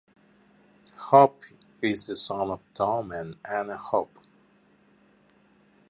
Hoppe is the son of Tom and Anna Hoppe.